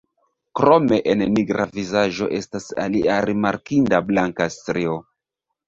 Krome en nigra vizaĝo estas alia rimarkinda blanka strio.